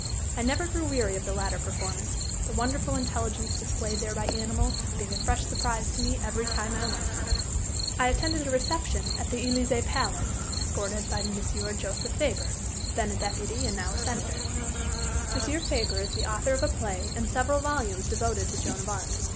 I never grew weary of the latter performance the wonderful intelligence displayed there by animals, being a fresh surprise to me every time I went. I attended a reception at the Elysée Palace, escorted by M. Joseph Fabre, then a deputy and now a senator. M. Fabre is the author of a play and several volumes devoted to Joan of Arc.